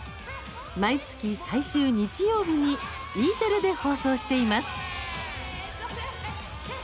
毎月、最終日曜日にＥテレで放送しています。